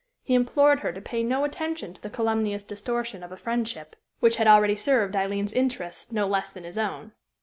He implored her to pay no attention to the calumnious distortion of a friendship which had already served Aileen's interests no less than his own.